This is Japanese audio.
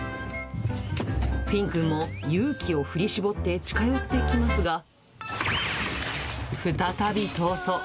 フィンくんも勇気を振り絞って近寄ってきますが、再び逃走。